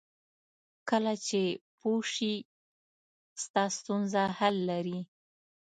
کله چې پوه شې ستا ستونزه حل لري.